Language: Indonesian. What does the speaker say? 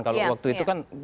kalau waktu itu kan